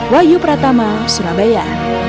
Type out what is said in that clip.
wayu pratama surabaya